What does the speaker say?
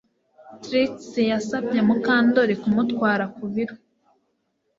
Trix yasabye Mukandoli kumutwara ku biro